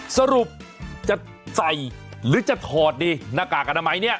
สรุปจะใส่หรือจะถอดดีหน้ากากอนามัยเนี่ย